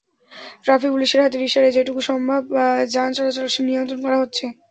Traffic পুলিশের হাতের ইশারায় যেটুকু সম্ভব যান চলাচল নিয়ন্ত্রণ করা হচ্ছে।